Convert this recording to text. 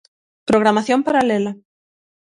Programación paralela.